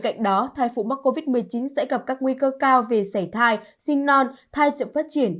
cạnh đó thai phụ mắc covid một mươi chín sẽ gặp các nguy cơ cao về xảy thai sinh non thai chậm phát triển